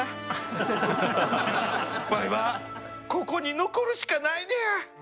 わいはここに残るしかないねや。